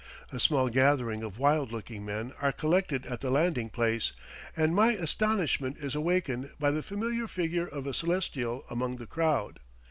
A small gathering of wild looking men are collected at the landing place, and my astonishment is awakened by the familiar figure of a Celestial among the crowd.